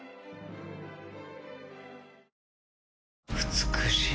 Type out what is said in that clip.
美しい。